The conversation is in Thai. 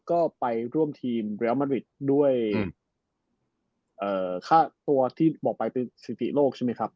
ก็ไปร่วมทีมด้วยเอ่อค่าตัวที่บอกไปเป็นสิบสิบโลกใช่ไหมครับ